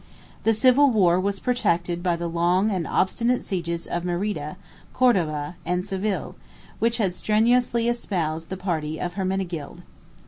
The civil war was protracted by the long and obstinate sieges of Merida, Cordova, and Seville, which had strenuously espoused the party of Hermenegild.